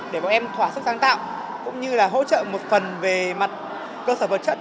để bọn em thỏa sức sáng tạo cũng như là hỗ trợ một phần về mặt cơ sở vật chất